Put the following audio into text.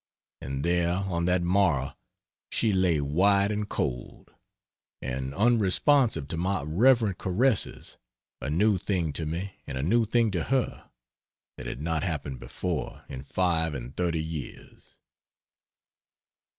And there, on that morrow, she lay white and cold. And unresponsive to my reverent caresses a new thing to me and a new thing to her; that had not happened before in five and thirty years.